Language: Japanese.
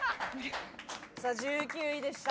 １９位でした。